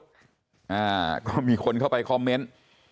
อ่าก็มีคนเข้าไปคอมเมนต์